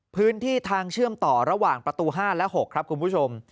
พื้นที่ทางเชื่อมต่อระหว่างประตู๕และ๖ครับคุณผู้ชม